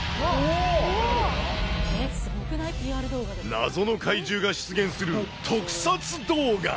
謎の怪獣が出現する特撮動画。